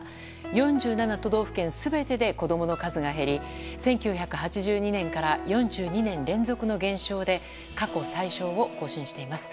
４７都道府県全てで子供の数が減り１９８２年から４２年連続の減少で過去最少を更新しています。